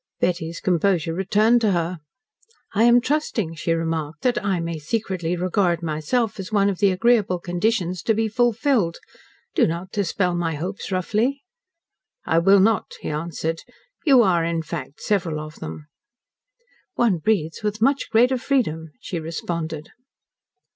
Betty's composure returned to her. "I am trusting," she remarked, "that I may secretly regard myself as one of the agreeable conditions to be fulfilled. Do not dispel my hopes roughly." "I will not," he answered. "You are, in fact, several of them." "One breathes with much greater freedom," she responded.